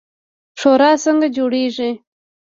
شورا څنګه جوړیږي؟